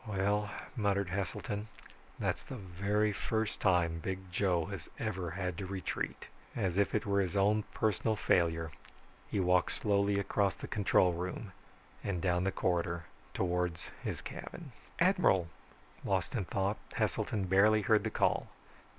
"Well," muttered Heselton, "that's the very first time Big Joe has ever had to retreat." As if it were his own personal failure, he walked slowly across the control room and down the corridor towards his cabin. "Admiral!" Lost in thought, Heselton barely heard the call.